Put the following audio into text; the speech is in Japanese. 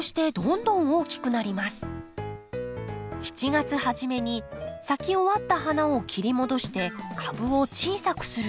７月初めに咲き終わった花を切り戻して株を小さくする。